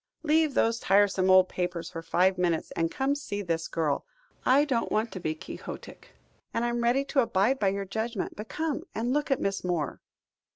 "Leave those tiresome old papers for five minutes, and come and see this girl. I don't want to be quixotic, and I am ready to abide by your judgment, but come and look at Miss Moore."